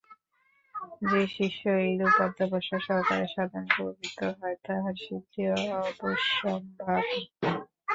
যে শিষ্য এইরূপ অধ্যবসায়-সহকারে সাধনে প্রবৃত্ত হয়, তাহার সিদ্ধি অবশ্যম্ভাবী।